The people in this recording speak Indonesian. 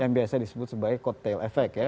yang biasa disebut sebagai kotel efek ya